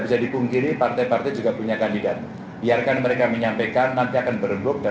bisa dipungkiri partai partai juga punya kandidat biarkan mereka menyampaikan nanti akan berembuk dan